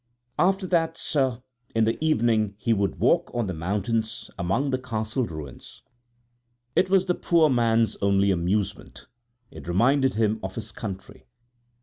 After that, sir, in the evening he would walk on the mountains, among the castle ruins. It was the poor man's only amusement, it reminded him of his country.